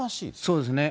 そうですね。